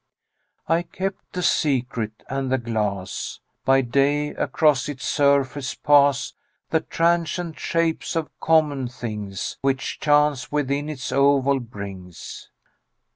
I kept the secret and the glass; By day across its surface pass The transient shapes of common things Which chance within its oval brings.